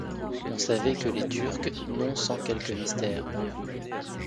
On savait que les turcs, non sans quelque mystère